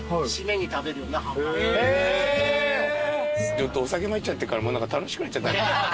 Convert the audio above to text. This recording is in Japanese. ちょっとお酒も入っちゃってるから楽しくなっちゃった。